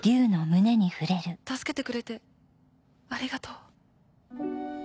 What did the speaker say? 助けてくれてありがとう。